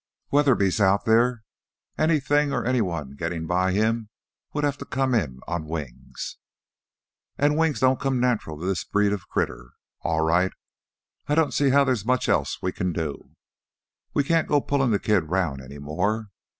"Weatherby's out there. Anything or anyone gettin' by him would have to come in on wings." "An' wings don't come natural to this breed of critter! All right, I don't see how theah's much else we can do. We can't go pullin' the kid 'round any more.